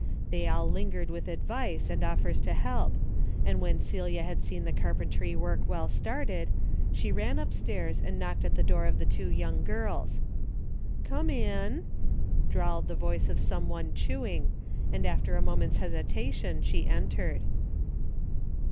They all lingered with advice and offers to help, and when Celia had seen the carpentry work well started, she ran upstairs and knocked at the door of the two young girls. " Come in," drawled the voice of some one chewing, and after a moment's hesitation she entered.